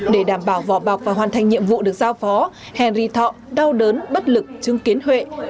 để đảm bảo vỏ bọc và hoàn thành nhiệm vụ được giao phó henry thọ đau đớn bất lực chứng kiến huệ